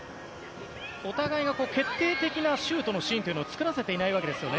お互いが決定的なシュートのシーンを作らせていないわけですよね。